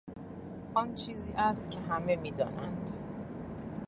آن چیزی است که همه میدانند.